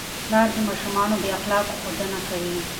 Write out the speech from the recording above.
پلار د ماشومانو د اخلاقو ښودنه کوي.